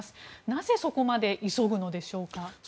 なぜそこまで急ぐのでしょうか。